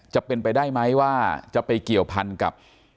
จะเป็นไปได้ไหมว่าจะไปเกี่ยวพันกับ